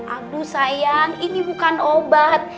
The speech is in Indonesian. aduh sayang ini bukan obat